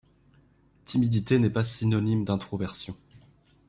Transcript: Timidité n'est pas synonyme d'introversion.